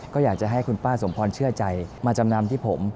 ก็อยากจะให้คุณป้าสมพรเชื่อใจมาจำนำที่ผม